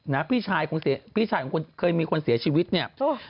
นี่พี่ชายเคยมีคนเสียชีวิตนี่